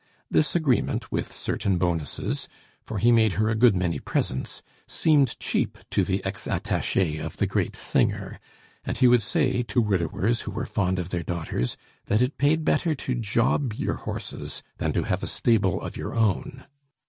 This agreement, with certain bonuses, for he made her a good many presents, seemed cheap to the ex attache of the great singer; and he would say to widowers who were fond of their daughters, that it paid better to job your horses than to have a stable of your own.